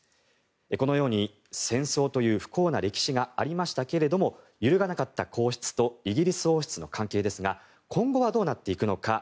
このように戦争という不幸な歴史がありましたけれども揺るがなかった皇室とイギリス王室の関係ですが今後はどうなっていくのか。